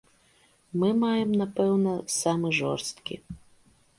Мы маем, напэўна, самы жорсткі.